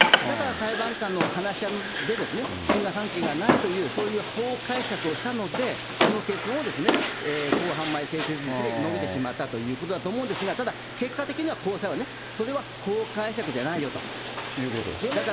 だから裁判官の話し合いで、因果関係がないという、そういう法解釈をしたので、その結論を公判前整理手続きで述べてしまったということだと思うんですが、ただ、結果的には高裁は、それは法解釈じゃないよと。ということですよね。